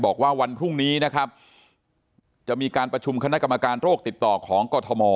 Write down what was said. บอกว่าวันพรุ่งนี้นะครับจะมีการประชุมคณะกรรมการโรคติดต่อของกรทม